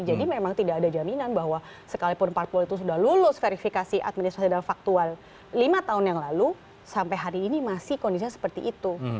memang tidak ada jaminan bahwa sekalipun parpol itu sudah lulus verifikasi administrasi dan faktual lima tahun yang lalu sampai hari ini masih kondisinya seperti itu